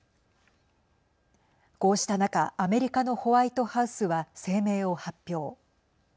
こうした中アメリカのホワイトハウスは声明を発表。